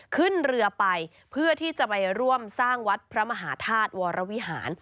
ขึ้นเรือไปเพื่อที่จะไปร่วมสร้างวัดพระมหาธาตุวรวิหาร